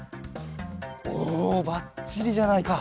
おおばっちりじゃないか。